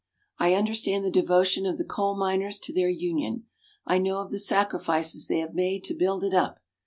I understand the devotion of the coal miners to their union. I know of the sacrifices they have made to build it up.